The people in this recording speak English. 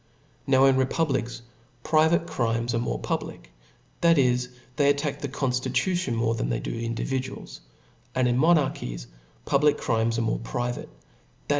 Now in republics private crimes arc more puV lic, that is, they attack the conftitutibn more than they do irvdj^iduals v ^nd in monarchies, public crimfes are more private, that i?